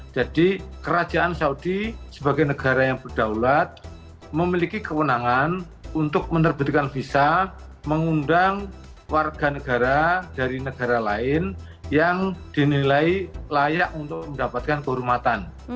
jadi kerajaan saudi sebagai negara yang berdaulat memiliki kewenangan untuk menerbitkan visa mengundang warga negara dari negara lain yang dinilai layak untuk mendapatkan kehormatan